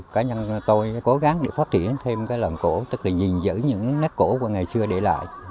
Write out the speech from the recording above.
cá nhân tôi cố gắng để phát triển thêm cái làng cổ tức là nhìn giữ những nét cổ của ngày xưa để lại